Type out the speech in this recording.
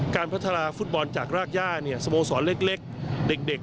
การพัฒนาฟุตบอลจากรากย่าสโมสรเล็กเด็ก